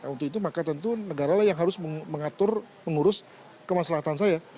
untuk itu maka tentu negara lah yang harus mengatur mengurus kemaslahan saya